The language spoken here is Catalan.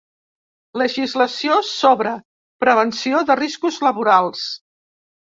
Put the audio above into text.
Legislació sobre prevenció de riscos laborals.